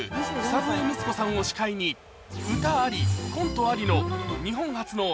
草笛光子さんを司会に歌ありコントありの日本初の